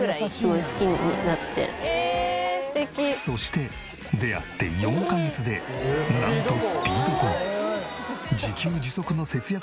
そして出会って４カ月でなんとスピード婚。